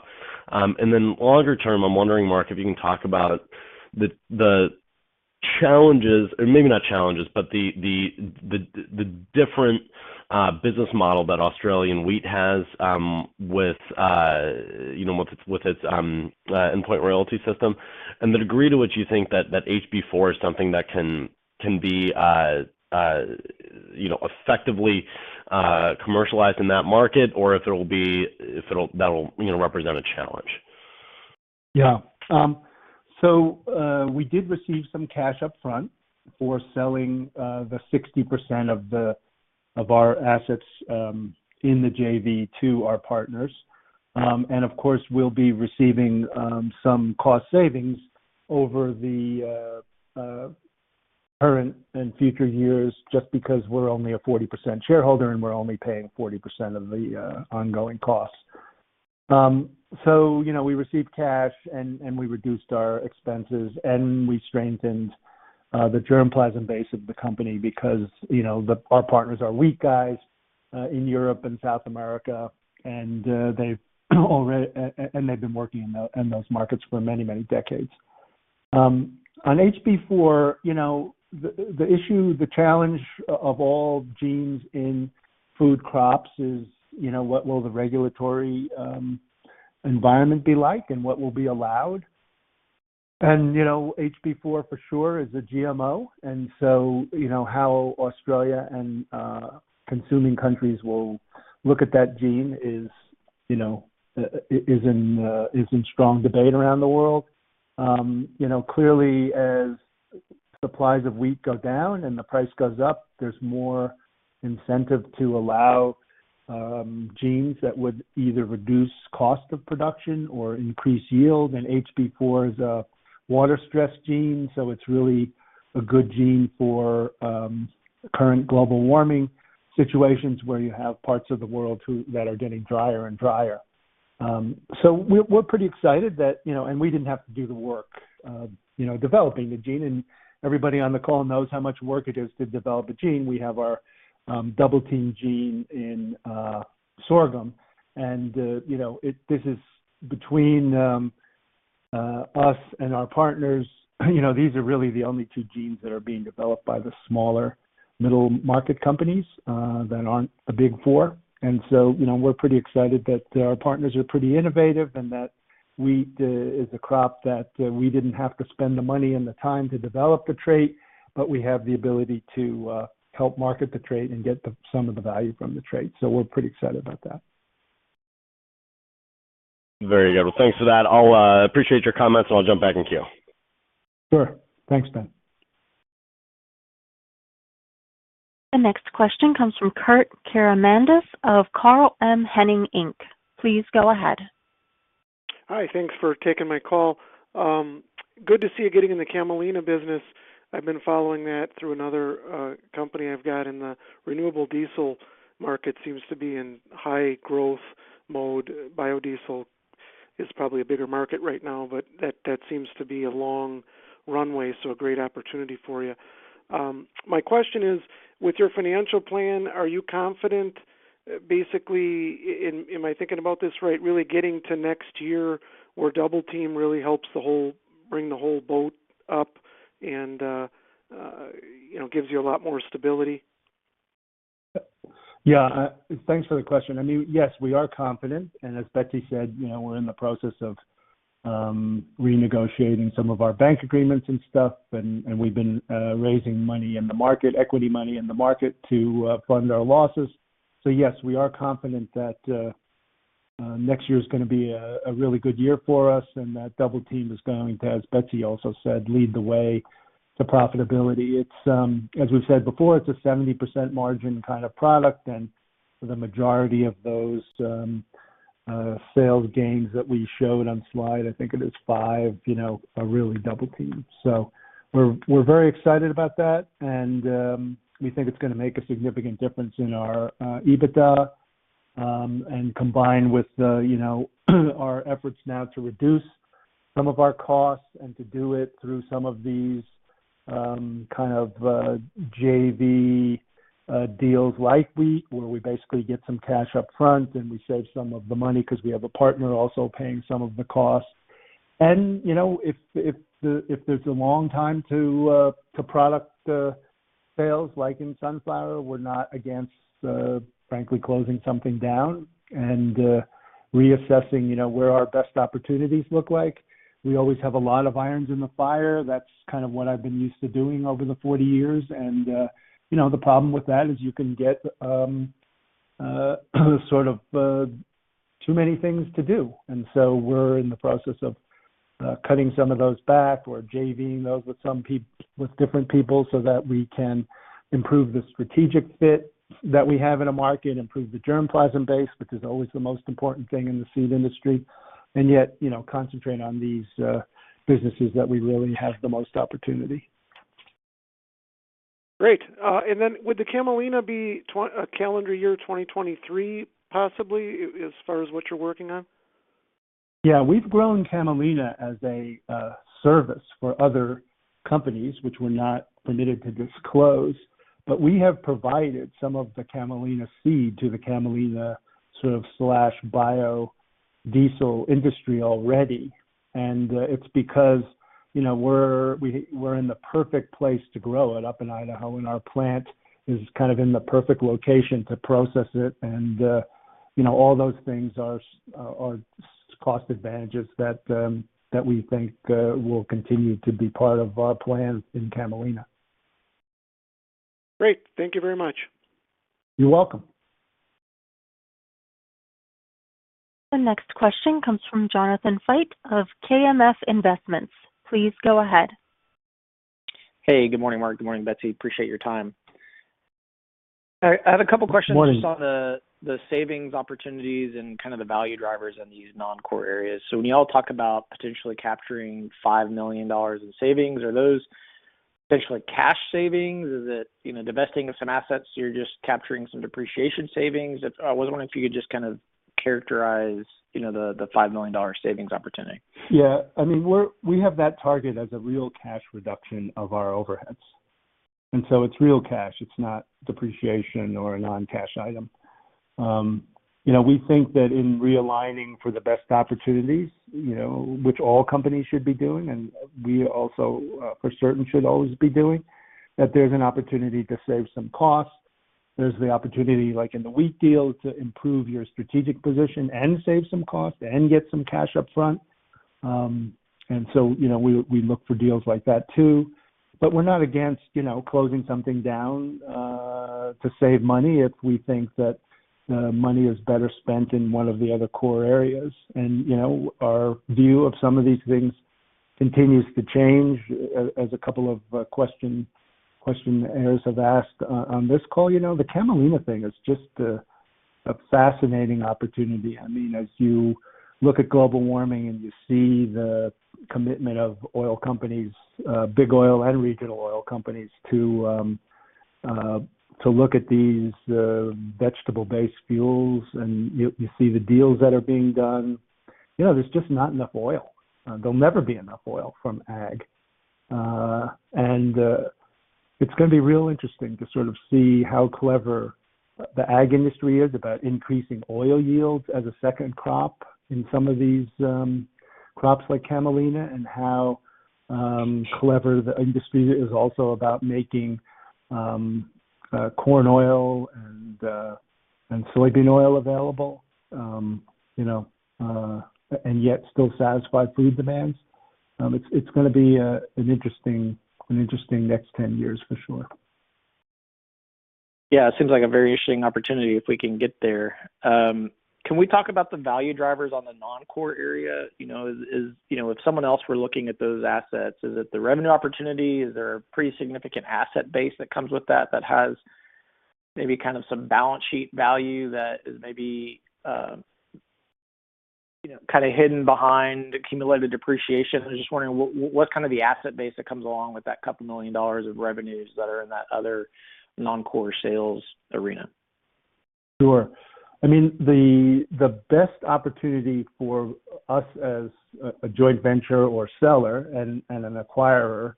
Longer term, I'm wondering, Mark, if you can talk about the challenges or maybe not challenges, but the different business model that Australian Wheat has, with, you know, with its endpoint royalty system. The degree to which you think that HB4 is something that can be, you know, effectively commercialized in that market or that'll, you know, represent a challenge. Yeah. We did receive some cash up front for selling the 60% of our assets in the JV to our partners. Of course, we'll be receiving some cost savings over the current and future years just because we're only a 40% shareholder, and we're only paying 40% of the ongoing costs. You know, we received cash and we reduced our expenses, and we strengthened the germplasm base of the company because, you know, our partners are wheat guys in Europe and South America, and they've already and they've been working in those markets for many, many decades. On HB4, you know, the issue, the challenge of all genes in food crops is, you know, what will the regulatory environment be like and what will be allowed. You know, HB4, for sure is a GMO. You know, how Australia and consuming countries will look at that gene is, you know, in strong debate around the world. You know, clearly as supplies of wheat go down and the price goes up, there's more incentive to allow genes that would either reduce cost of production or increase yield. HB4 is a water stress gene, so it's really a good gene for current global warming situations where you have parts of the world too, that are getting drier and drier. We're pretty excited that, you know, we didn't have to do the work developing the gene. Everybody on the call knows how much work it is to develop a gene. We have our Double Team gene in sorghum. You know, this is between us and our partners. You know, these are really the only two genes that are being developed by the smaller middle market companies that aren't a big four. You know, we're pretty excited that our partners are pretty innovative and that wheat is a crop that we didn't have to spend the money and the time to develop the trait, but we have the ability to help market the trait and get some of the value from the trait. We're pretty excited about that. Very good. Well, thanks for that. I'll appreciate your comments, and I'll jump back in queue. Sure. Thanks, Ben. The next question comes from Kurt Caramanidis of Carl M Hennig Inc. Please go ahead. Hi. Thanks for taking my call. Good to see you getting in the Camelina business. I've been following that through another company I've got, and the renewable diesel market seems to be in high growth mode. Biodiesel is probably a bigger market right now, but that seems to be a long runway, so a great opportunity for you. My question is, with your financial plan, are you confident basically, and am I thinking about this right, really getting to next year where Double Team really helps bring the whole boat up and, you know, gives you a lot more stability? Yeah. Thanks for the question. I mean, yes, we are confident, and as Betsy said, you know, we're in the process of renegotiating some of our bank agreements and stuff, and we've been raising money in the market, equity money in the market to fund our losses. Yes, we are confident that next year is gonna be a really good year for us, and that Double Team is going to, as Betsy also said, lead the way to profitability. It's as we've said before, it's a 70% margin kind of product, and for the majority of those sales gains that we showed on slide, I think it is five, you know, are really Double Team. We're very excited about that, and we think it's gonna make a significant difference in our EBITDA. Combined with the, you know, our efforts now to reduce some of our costs and to do it through some of these kind of JV deals like wheat, where we basically get some cash up front and we save some of the money because we have a partner also paying some of the costs. You know, if there's a long time to product sales like in Sunflower, we're not against frankly closing something down and reassessing where our best opportunities look like. We always have a lot of irons in the fire. That's kind of what I've been used to doing over the 40 years. You know, the problem with that is you can get sort of too many things to do. We're in the process of cutting some of those back or JVing those with different people so that we can improve the strategic fit that we have in a market, improve the germplasm base, which is always the most important thing in the seed industry, and yet, you know, concentrate on these businesses that we really have the most opportunity. Great. Would the Camelina be a calendar year 2023, possibly, as far as what you're working on? Yeah. We've grown Camelina as a service for other companies which we're not permitted to disclose, but we have provided some of the Camelina seed to the Camelina biodiesel industry already. It's because, you know, we're in the perfect place to grow it up in Idaho, and our plant is kind of in the perfect location to process it. You know, all those things are cost advantages that we think will continue to be part of our plans in Camelina. Great. Thank you very much. You're welcome. The next question comes from Jonathon Fite of KMF Investments. Please go ahead. Hey, good morning, Mark. Good morning, Betsy. Appreciate your time. I have a couple questions. Morning. Just on the savings opportunities and kind of the value drivers in these non-core areas. When you all talk about potentially capturing $5 million in savings, are those essentially cash savings? Is it, you know, divesting of some assets, you're just capturing some depreciation savings? I was wondering if you could just kind of characterize, you know, the $5 million savings opportunity. Yeah. I mean, we have that target as a real cash reduction of our overheads, and so it's real cash. It's not depreciation or a non-cash item. You know, we think that in realigning for the best opportunities, you know, which all companies should be doing, and we also for certain should always be doing, that there's an opportunity to save some costs. There's the opportunity, like in the wheat deal, to improve your strategic position and save some costs and get some cash upfront. You know, we look for deals like that too. We're not against, you know, closing something down to save money if we think that money is better spent in one of the other core areas. You know, our view of some of these things continues to change as a couple of questioners have asked on this call. You know, the Camelina thing is just a fascinating opportunity. I mean, as you look at global warming and you see the commitment of oil companies, big oil and regional oil companies to look at these vegetable-based fuels, and you see the deals that are being done. You know, there's just not enough oil. There'll never be enough oil from ag. It's gonna be real interesting to sort of see how clever the ag industry is about increasing oil yields as a second crop in some of these crops like Camelina and how clever the industry is also about making corn oil and soybean oil available, you know, and yet still satisfy food demands. It's gonna be an interesting next 10 years for sure. Yeah. It seems like a very interesting opportunity if we can get there. Can we talk about the value drivers on the non-core area? You know, is you know, if someone else were looking at those assets, is it the revenue opportunity? Is there a pretty significant asset base that comes with that has maybe kind of some balance sheet value that is maybe, you know, kind of hidden behind accumulated depreciation? I was just wondering what kind of the asset base that comes along with that $2 million of revenues that are in that other non-core sales arena? Sure. I mean, the best opportunity for us as a joint venture or seller and an acquirer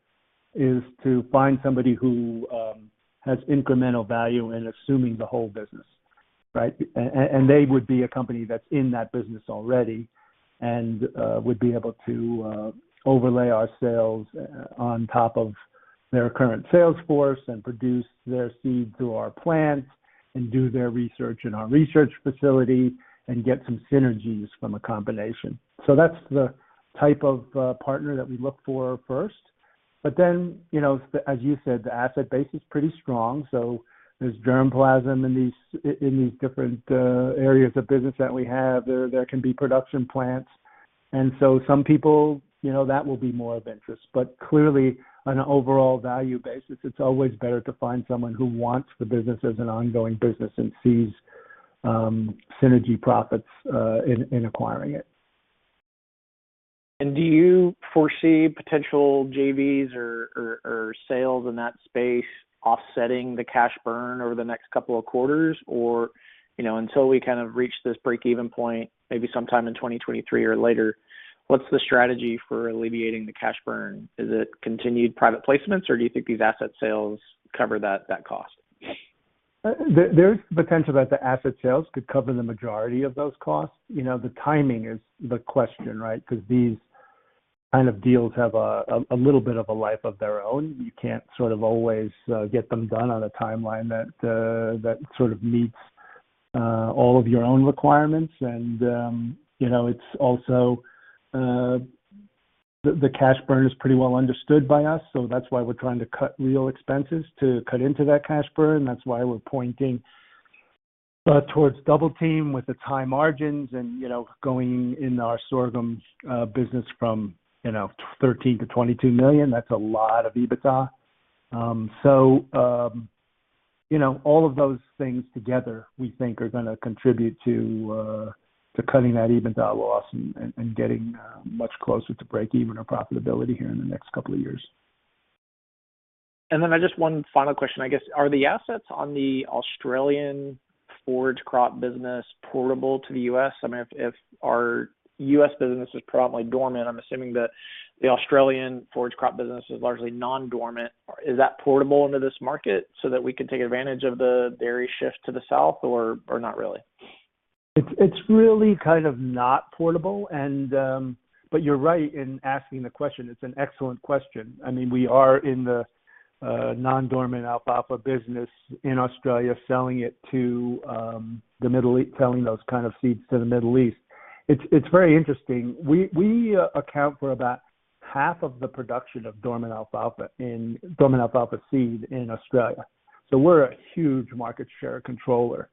is to find somebody who has incremental value in assuming the whole business, right? And they would be a company that's in that business already and would be able to overlay our sales on top of their current sales force and produce their seed through our plants and do their research in our research facility and get some synergies from a combination. That's the type of partner that we look for first. Then, you know, as you said, the asset base is pretty strong, so there's germplasm in these different areas of business that we have. There can be production plants. Some people, you know, that will be more of interest. Clearly, on an overall value basis, it's always better to find someone who wants the business as an ongoing business and sees synergy profits in acquiring it. Do you foresee potential JVs or sales in that space offsetting the cash burn over the next couple of quarters? Or, you know, until we kind of reach this break-even point, maybe sometime in 2023 or later, what's the strategy for alleviating the cash burn? Is it continued private placements, or do you think these asset sales cover that cost? There's potential that the asset sales could cover the majority of those costs. You know, the timing is the question, right? Because these kind of deals have a little bit of a life of their own. You can't sort of always get them done on a timeline that that sort of meets all of your own requirements. You know, it's also the cash burn is pretty well understood by us. So that's why we're trying to cut real expenses to cut into that cash burn. That's why we're pointing towards Double Team with the high margins and, you know, going in our sorghum business from, you know, $13 million-$22 million. That's a lot of EBITDA. You know, all of those things together, we think, are gonna contribute to cutting that EBITDA loss and getting much closer to break even or profitability here in the next couple of years. Just one final question. I guess, are the assets on the Australian forage crop business portable to the U.S.? I mean, if our U.S. business is probably dormant, I'm assuming that the Australian forage crop business is largely non-dormant. Is that portable into this market so that we can take advantage of the dairy shift to the south or not really? It's really kind of not portable. You're right in asking the question. It's an excellent question. I mean, we are in the non-dormant alfalfa business in Australia, selling it to the Middle East, selling those kind of seeds to the Middle East. It's very interesting. We account for about half of the production of dormant alfalfa seed in Australia. So we're a huge market share controller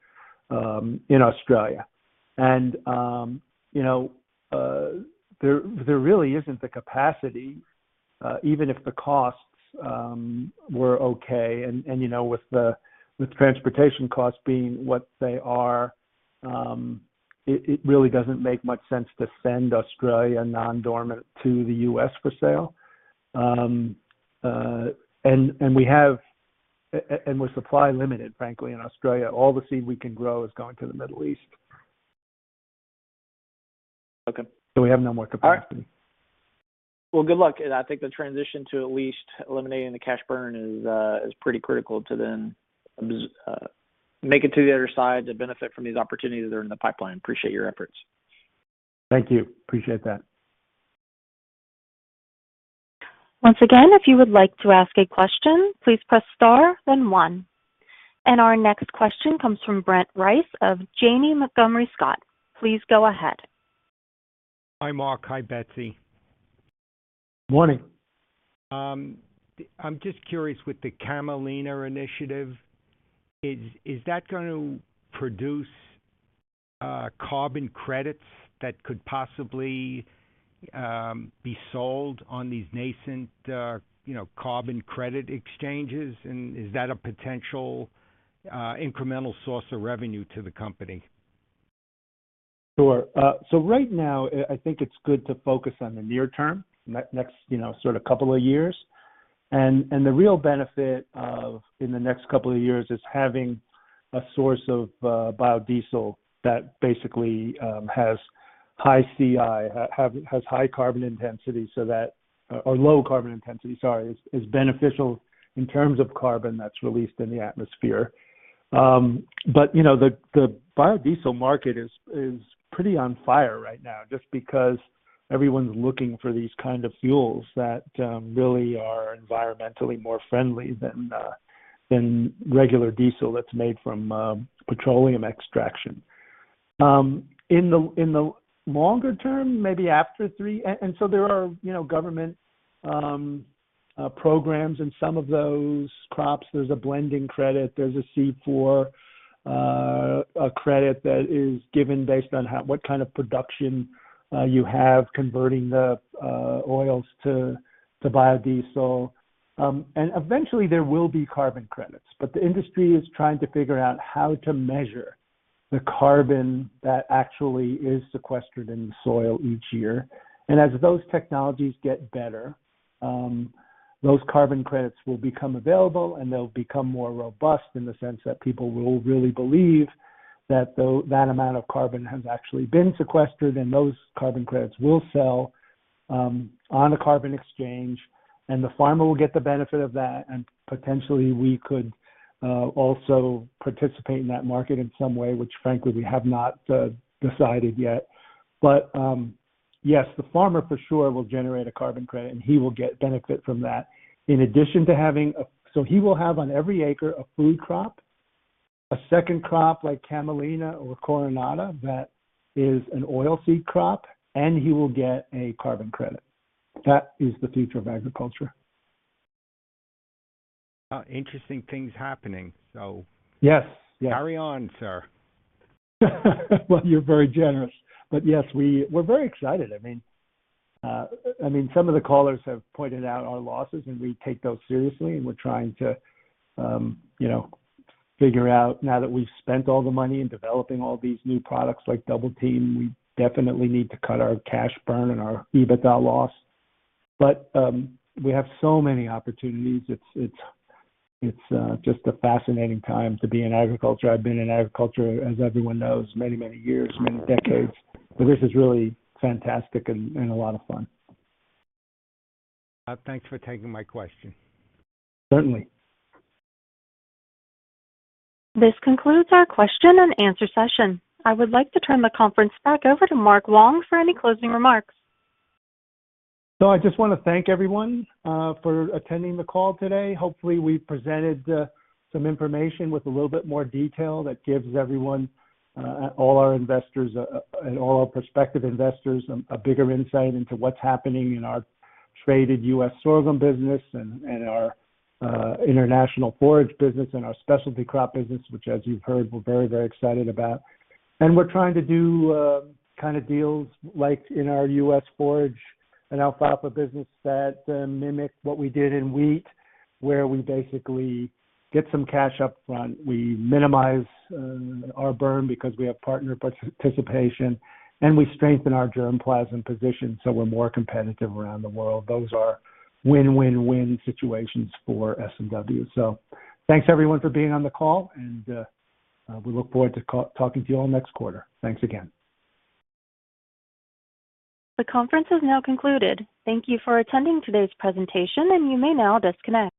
in Australia. You know, there really isn't the capacity, even if the costs were okay. You know, with transportation costs being what they are, it really doesn't make much sense to send Australian non-dormant to the U.S. for sale. With supply limited, frankly, in Australia, all the seed we can grow is going to the Middle East. Okay. We have no more capacity. All right. Well, good luck. I think the transition to at least eliminating the cash burn is pretty critical to then make it to the other side to benefit from these opportunities that are in the pipeline. Appreciate your efforts. Thank you. Appreciate that. Once again, if you would like to ask a question, please press star then one. Our next question comes from Brett Rice of Janney Montgomery Scott. Please go ahead. Hi, Mark. Hi, Betsy. Morning. I'm just curious with the Camelina initiative, is that going to produce carbon credits that could possibly be sold on these nascent, you know, carbon credit exchanges? Is that a potential incremental source of revenue to the company? Sure. So right now, I think it's good to focus on the near term, next you know sort of couple of years. The real benefit in the next couple of years is having a source of biodiesel that basically has high CI, or low carbon intensity, sorry, is beneficial in terms of carbon that's released in the atmosphere. The biodiesel market is pretty on fire right now just because everyone's looking for these kind of fuels that really are environmentally more friendly than regular diesel that's made from petroleum extraction. In the longer term, maybe after three. There are government programs in some of those crops. There's a blending credit. There's a D4 credit that is given based on what kind of production you have converting the oils to biodiesel. Eventually there will be carbon credits, but the industry is trying to figure out how to measure the carbon that actually is sequestered in the soil each year. As those technologies get better, those carbon credits will become available, and they'll become more robust in the sense that people will really believe that that amount of carbon has actually been sequestered, and those carbon credits will sell on a carbon exchange, and the farmer will get the benefit of that. Potentially we could also participate in that market in some way which, frankly, we have not decided yet. Yes, the farmer for sure will generate a carbon credit, and he will get benefit from that. In addition to having, he will have on every acre a food crop, a second crop like Camelina or carinata that is an oilseed crop, and he will get a carbon credit. That is the future of agriculture. Interesting things happening. Yes. Carry on, sir. Well, you're very generous. Yes, we're very excited. I mean, some of the callers have pointed out our losses, and we take those seriously, and we're trying to, you know, figure out now that we've spent all the money in developing all these new products like Double Team, we definitely need to cut our cash burn and our EBITDA loss. We have so many opportunities. It's just a fascinating time to be in agriculture. I've been in agriculture, as everyone knows, many years, many decades, but this is really fantastic and a lot of fun. Thanks for taking my question. Certainly. This concludes our question and answer session. I would like to turn the conference back over to Mark Wong for any closing remarks. I just wanna thank everyone for attending the call today. Hopefully, we presented some information with a little bit more detail that gives everyone all our investors and all our prospective investors a bigger insight into what's happening in our traded U.S. sorghum business and our international forage business and our specialty crop business, which as you've heard, we're very, very excited about. We're trying to do kind of deals like in our U.S. forage and alfalfa business that mimic what we did in wheat, where we basically get some cash up front. We minimize our burn because we have partner participation, and we strengthen our germplasm position, so we're more competitive around the world. Those are win-win-win situations for S&W. Thanks everyone for being on the call, and we look forward to talking to you all next quarter. Thanks again. The conference is now concluded. Thank you for attending today's presentation, and you may now disconnect.